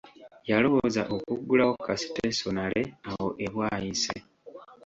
Yalowooza okuggulawo ka sitesonale awo e Bwaise.